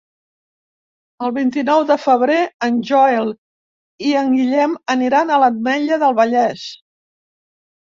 El vint-i-nou de febrer en Joel i en Guillem iran a l'Ametlla del Vallès.